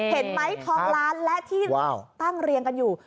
เห็นไหมทองล้านและที่ตั้งเรียงกันอยู่